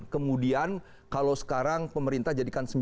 kemudian kalau sekarang pemerintah jadikan sembilan puluh enam delapan